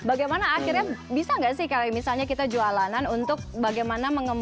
bagaimana akhirnya bisa nggak sih kalau misalnya kita jualan untuk bagaimana mengembangkan